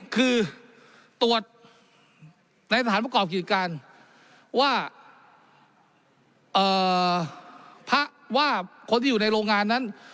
คือตรวจในสถานประกอบกิจการว่าเพราะว่าคนที่อยู่ในโรงงานนั้น